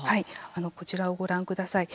こちらをご覧ください。